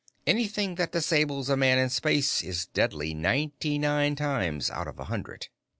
Anything that disables a man in space is deadly ninety nine times out of a hundred.